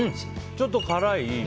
ちょっと辛い。